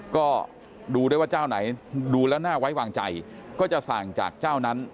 ก็ดูได้ว่าเจ้าไหนดูแล้วน่าไว้วางใจก็จะสั่งจากเจ้านั้น